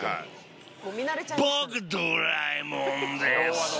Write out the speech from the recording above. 僕ドラえもんです。